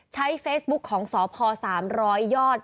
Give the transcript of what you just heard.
ใช้เฟซบุ๊กของสพสามร้อยยอด